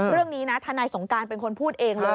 เรื่องนี้นะทนายสงการเป็นคนพูดเองเลย